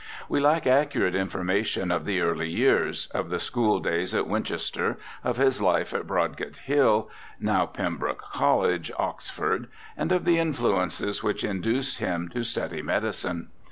We lack accurate information of the early years — of the schooldays at Winchester, of his life at Broadgate Hall, now Pembroke College, Oxford, and of the influences which induced him to study medicine.